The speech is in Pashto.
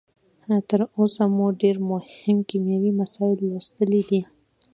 تر اوسه مو ډیر مهم کیمیاوي مسایل لوستلي دي.